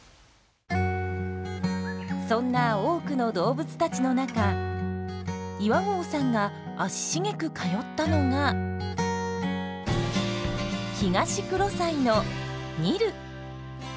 そんな多くの動物たちの中岩合さんが足しげく通ったのがヒガシクロサイのニル。